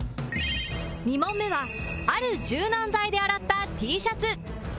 ２問目はある柔軟剤で洗った Ｔ シャツ